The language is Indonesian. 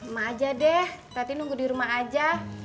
mak aja deh tati nunggu di rumah aja